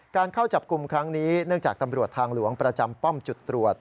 เข้าจับกลุ่มครั้งนี้เนื่องจากตำรวจทางหลวงประจำป้อมจุดตรวจ